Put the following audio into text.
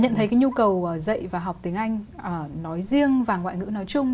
nhận thấy cái nhu cầu dạy và học tiếng anh nói riêng và ngoại ngữ nói chung